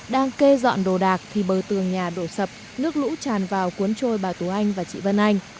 đang kê dọn đồ đạc thì bờ tường nhà đổ sập nước lũ tràn vào cuốn trôi bà tú anh và chị vân anh